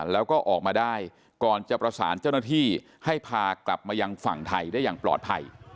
แล้วก็ออกมาได้ก่อนจะประสานเจ้าหน้าที่ให้พากลับมายังฝั่งไทยได้อย่างปลอดภัย